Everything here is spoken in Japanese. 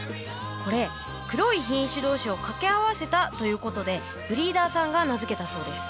これ黒い品種同士を掛け合わせたということでブリーダーさんが名付けたそうです。